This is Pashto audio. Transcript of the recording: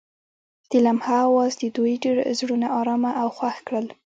د لمحه اواز د دوی زړونه ارامه او خوښ کړل.